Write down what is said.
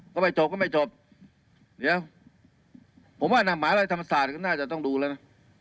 ก็ไม่จบก็ไม่จบเดี๋ยวผมว่านะหมาลัยธรรมศาสตร์ก็น่าจะต้องดูแล้วนะ